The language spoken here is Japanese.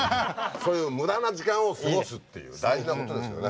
そういう無駄な時間を過ごすっていう大事なことですよね。